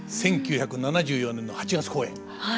１９７４年の８月公演。